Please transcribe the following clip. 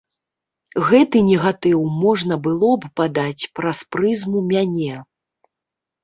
Гэты негатыў можна было б падаць праз прызму мяне.